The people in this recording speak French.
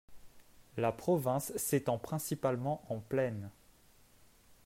La province s’étend principalement en plaine.